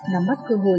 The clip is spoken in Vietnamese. nó mất cơ hội